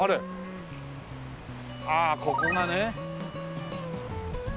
あここがね。